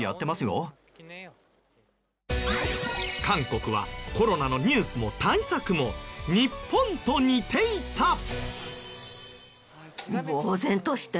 韓国はコロナのニュースも対策も日本と似ていた。